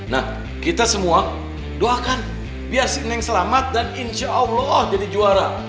nah kita semua doakan biar si neng selamat dan insya allah jadi juara